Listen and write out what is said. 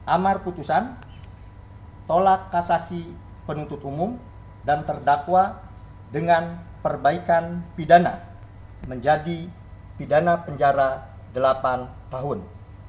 amar putusan tolak kasasi penuntut umum dan terdakwa dengan perbaikan pidana menjadi pidana penjara delapan tahun